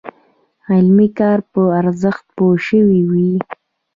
علمي کار په ارزښت پوه شوي وي.